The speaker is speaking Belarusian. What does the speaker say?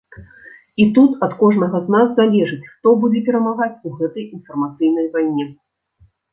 І тут ад кожнага з нас залежыць, хто будзе перамагаць у гэтай інфармацыйнай вайне.